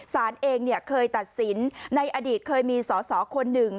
สารเองเคยตัดสินในอดีตเคยมีสอสอคนหนึ่ง